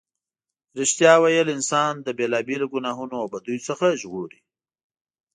رښتیا ویل انسان له بېلا بېلو گناهونو او بدیو څخه ژغوري.